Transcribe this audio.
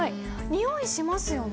においしますよね。